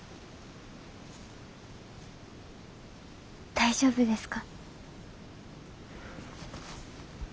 大丈夫ですか？